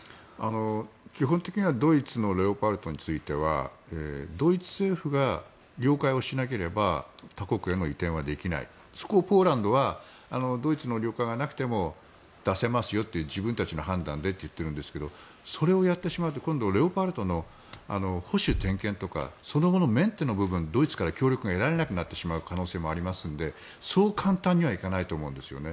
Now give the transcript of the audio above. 基本的にはドイツのレオパルトについてはドイツ政府が了解をしなければ他国への移転はできないそこをポーランドはドイツの了解がなくても出せますよという自分たちの判断でって言ってるんですがそれをやってしまうと今度、レオパルトの保守・点検とかその後のメンテの部分ドイツから協力が得られなくなる可能性がありますのでそう簡単にはいかないと思うんですよね。